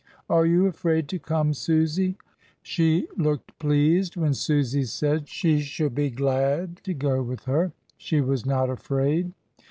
Are you afraid to come, Susy?" She looked pleased when Susy said she should be glad to go with her, she was not afraid.